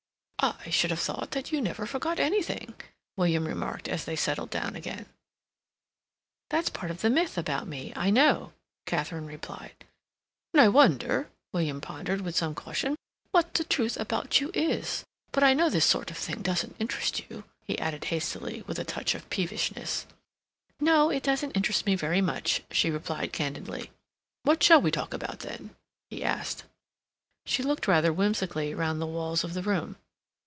"I should have thought that you never forgot anything," William remarked, as they settled down again. "That's part of the myth about me, I know," Katharine replied. "And I wonder," William proceeded, with some caution, "what the truth about you is? But I know this sort of thing doesn't interest you," he added hastily, with a touch of peevishness. "No; it doesn't interest me very much," she replied candidly. "What shall we talk about then?" he asked. She looked rather whimsically round the walls of the room.